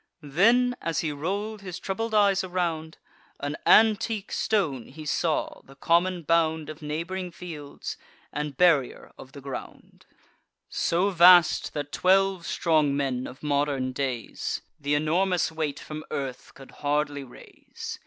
Then, as he roll'd his troubled eyes around, An antique stone he saw, the common bound Of neighb'ring fields, and barrier of the ground; So vast, that twelve strong men of modern days Th' enormous weight from earth could hardly raise.